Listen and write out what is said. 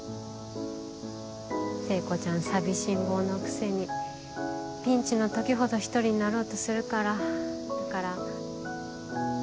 聖子ちゃん寂しんぼうのくせにピンチの時ほど一人になろうとするからだから。